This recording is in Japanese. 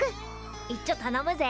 いっちょたのむぜ。